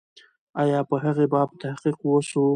آیا په هغې باب تحقیق و سو؟